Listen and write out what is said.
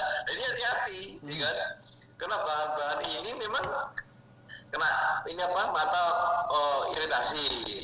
ini hati hati karena bahan bahan ini memang kena mata iritasi